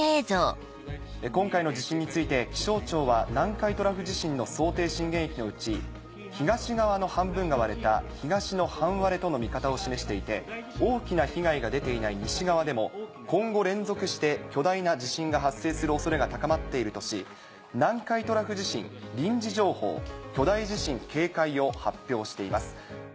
今回の地震について気象庁は南海トラフ地震の想定震源域のうち東側の半分が割れた東の半割れとの見方を示していて大きな被害が出ていない西側でも今後連続して巨大な地震が発生する恐れが高まっているとし南海トラフ地震臨時情報「巨大地震警戒」を発表しています。